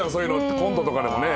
コントとかでもね。